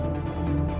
aku mau ke rumah